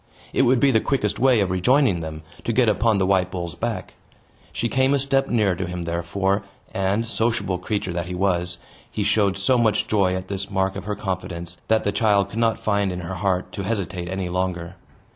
It would be the quickest way of rejoining them, to get upon the white bull's back. She came a step nearer to him therefore; and sociable creature that he was he showed so much joy at this mark of her confidence, that the child could not find in her heart to hesitate any longer.